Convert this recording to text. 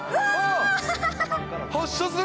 発車する？